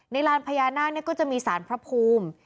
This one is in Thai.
ในร้านพยานาภรรย์ก็จะมีศารพระภูมิ